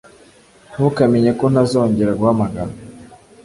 Ntukamenye ko ntazongera guhamagara